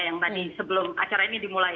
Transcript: yang tadi sebelum acara ini dimulai